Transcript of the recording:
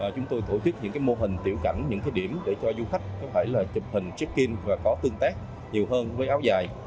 chúng tôi tổ chức những mô hình tiểu cảnh những điểm để cho du khách có thể chụp hình check in và có tương tác nhiều hơn với áo dài